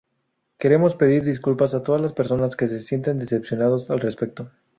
Queremos pedir disculpas a todas las personas que se sienten decepcionados al respecto.